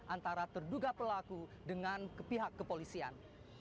antara terduga pelaku dengan pihak kepolisian